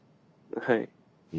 はい。